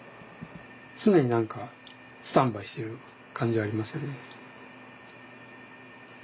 常に何かスタンバイしてる感じありますよね。